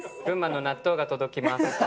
群馬の納豆が届きます。